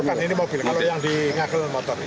bukan ini mobil kalau yang di ngagel motor